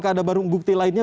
ya kalau soal barang bukti kan